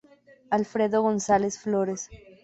Alfredo González Flores.